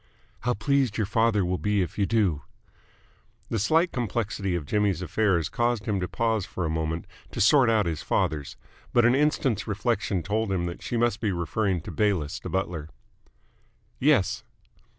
"How pleased your father will be if you do!" The slight complexity of Jimmy's affairs caused him to pause for a moment to sort out his fathers, but an instant's reflection told him that she must be referring to Bayliss the butler. "Yes."